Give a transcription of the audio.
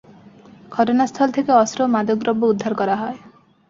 ঘটনাস্থল থেকে অস্ত্র ও মাদকদ্রব্য উদ্ধার করা হয়।